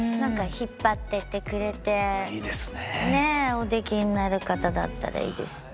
お出来になる方だったらいいですね。